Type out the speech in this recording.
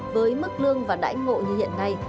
với mức lương và đãi ngộ như hiện nay